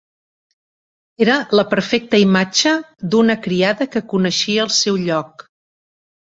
Era la perfecta imatge d'una criada que coneixia el seu lloc.